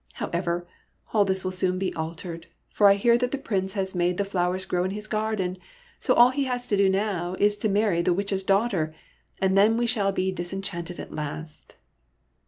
However, all this will soon be altered, for I hear that the Prince has made the flowers grow in his garden; so all he has to do now is to marry the Witch s daughter, and then we shall be disenchanted at last."